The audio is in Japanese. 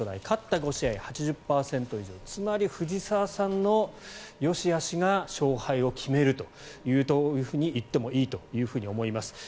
勝った５試合、８０％以上つまり、藤澤さんのよしあしが勝敗を決めるといってもいいと思います。